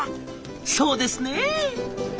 「そうですね」。